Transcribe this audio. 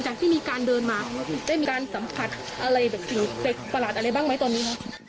จากที่มีการเดินมาได้มีการสัมผัสอะไรแบบสิ่งเศรษฐ์ประหลาดอะไรบ้างไหมตรงนี้ครับ